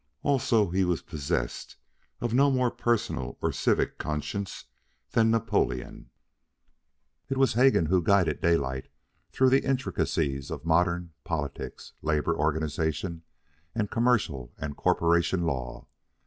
Also, he was possessed of no more personal or civic conscience than Napoleon. It was Hegan who guided Daylight through the intricacies of modern politics, labor organization, and commercial and corporation law.